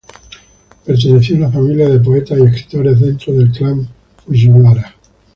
Perteneció a una familia de poetas y escritores dentro del clan Fujiwara.